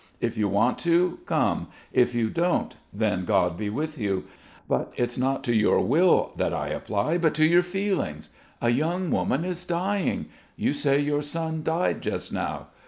If you want to, come; if you don't, then God be with you; but it's not to your will that I apply, but to your feelings. A young woman is dying! You say your son died just now.